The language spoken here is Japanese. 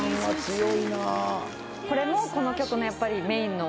これもこの曲のやっぱりメインの。